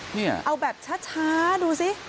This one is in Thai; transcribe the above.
นี่เอาแบบช้าดูสิ